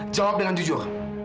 jawab dengan jujur